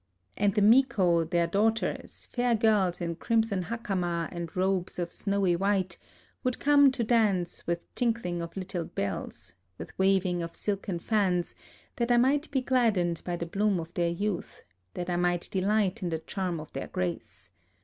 And the miko their daughters, fair girls in crimson haJcama and robes of snowy white, would come to dance with tinkling of little bells, with waving of silken fans, that I might be gladdened by the bloom of their youth, that I might delight in the charm of their grace.